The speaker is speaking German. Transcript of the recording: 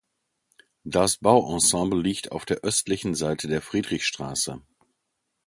Das Bauensemble liegt auf der östlichen Seite der Friedrichstraße.